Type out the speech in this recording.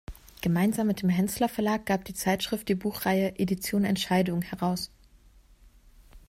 Gemeinsam mit dem Hänssler Verlag gab die Zeitschrift die Buchreihe "Edition Entscheidung" heraus.